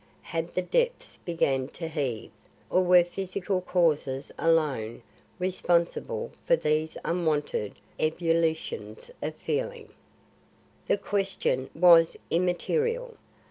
Had the depths begun to heave, or were physical causes alone responsible for these unwonted ebullitions of feeling? The question was immaterial.